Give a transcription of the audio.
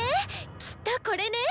きっとこれね！